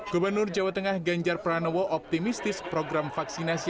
gubernur jawa tengah ganjar pranowo optimistis program vaksinasi